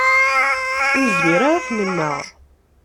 Ur nezmir ara ad t-nenneɣ.